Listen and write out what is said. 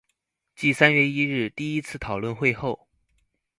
繼三月一日第一次討論會後